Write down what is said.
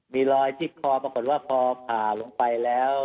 มีรอยที่คอปรากฏว่าพอผ่าลงไปแล้ว